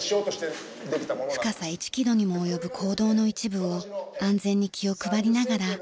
深さ１キロにも及ぶ坑道の一部を安全に気を配りながら案内します。